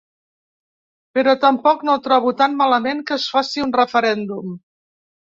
Però tampoc no trobo tan malament que es faci un referèndum.